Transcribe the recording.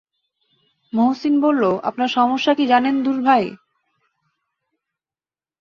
মহসিন বলল, আপনার সমস্যা কি জানেন দুলড়াই?